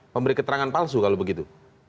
memberi keterangan palsu kalau begitu